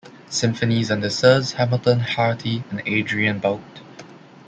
Symphonies under Sirs Hamilton Harty and Adrian Boult.